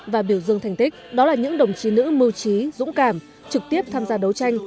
và biểu dương thành tích đó là những đồng chí nữ mưu trí dũng cảm trực tiếp tham gia đấu tranh